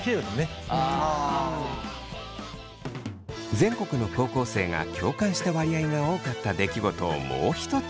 全国の高校生が共感した割合が多かった出来事をもう一つ。